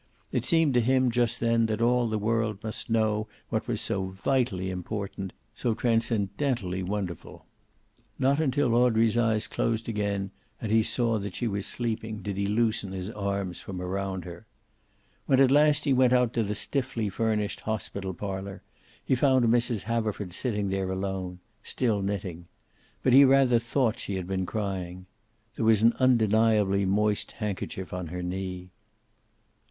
It seemed to him just then that all the world must know what was so vitally important, so transcendently wonderful. Not until Audrey's eyes closed again, and he saw that she was sleeping, did he loosen his arms from around her. When at last he went out to the stiffly furnished hospital parlor, he found Mrs. Haverford sitting there alone, still knitting. But he rather thought she had been crying. There was an undeniably moist handkerchief on her knee.